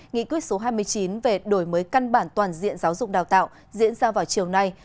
nghị quyết số hai mươi chín về đổi mới căn bản toàn diện giáo dục đào tạo diễn ra vào chiều nay